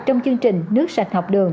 trong chương trình nước sạch học đường